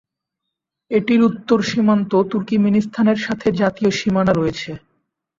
এটির উত্তর সীমান্ত তুর্কমেনিস্তান এর সাথে জাতীয় সীমানা রয়েছে।